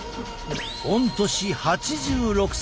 御年８６歳。